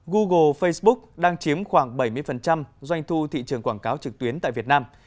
google facebook đang chiếm khoảng bảy mươi doanh thu thị trường quảng cáo trực tuyến tại việt nam